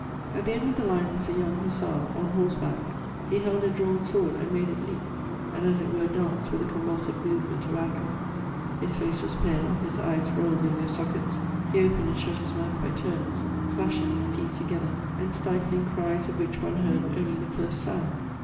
At the end of the line was a young hussar, on horse back; he held a drawn sword, and made it leap and as it were dance with a convulsive movement of anger. His face was pale; his eyes rolled in their sockets; he opened and shut his mouth by turns, clashing his teeth together, and stifling cries of which one heard only the first sound.